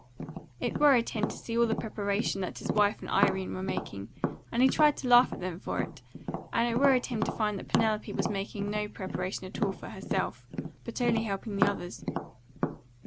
It worried him to see all the preparation that his wife and Irene were making, and he tried to laugh at them for it; and it worried him to find that Penelope was making no preparation at all for herself, but only helping the others.